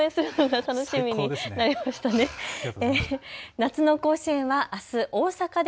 夏の甲子園はあす大阪で